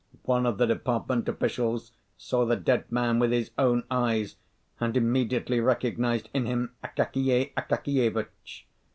One of the department officials saw the dead man with his own eyes and immediately recognised in him Akakiy Akakievitch.